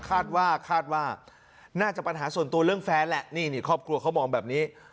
คาดว่าคาดว่าน่าจะปัญหาส่วนตัวเรื่องแฟนแหละนี่ครอบครัวเขามองแบบนี้